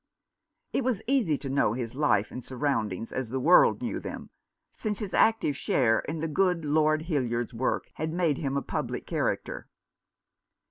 It was easy to know his life and surroundings as the world knew them, since his active share in the good Lord Hildyard's work had made him a public character.